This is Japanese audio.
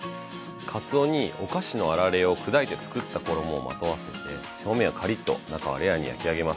かつおにお菓子のあられを砕いて作った衣をまとわせて表面はカリッと中はレアに焼き上げます。